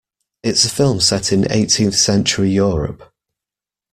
It's a film set in eighteenth century Europe.